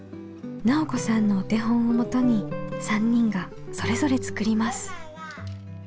直子さんのお手本をもとに３人がそれぞれ作ります。